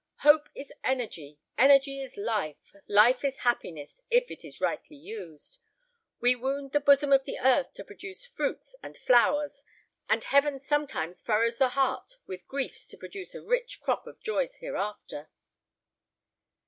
Hope is energy, energy is life, life is happiness if it is rightly used. We wound the bosom of the earth to produce fruits and flowers, and heaven sometimes furrows the heart with griefs to produce a rich crop of joys hereafter."